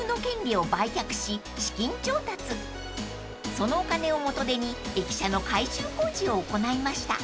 ［そのお金を元手に駅舎の改修工事を行いました］